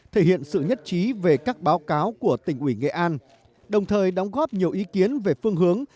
thể hiện sự nhất trí về các báo cáo của tỉnh ủy nghệ an đồng thời đóng góp nhiều ý kiến về phương hướng